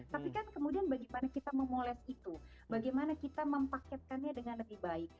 tapi kan kemudian bagaimana kita memoles itu bagaimana kita mempaketkannya dengan lebih baik